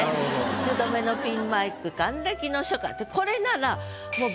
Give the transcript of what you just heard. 「幾度目のピンマイク還暦の初夏」ってこれならもう。